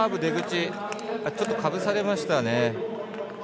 出口ちょっとかぶされましたね。